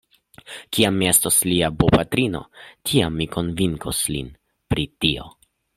Kiam mi estos lia bopatrino, tiam mi konvinkos lin pri tio.